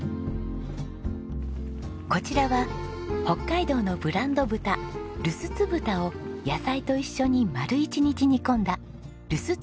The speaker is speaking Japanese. こちらは北海道のブランド豚ルスツ豚を野菜と一緒に丸一日煮込んだルスツ豚の煮込み。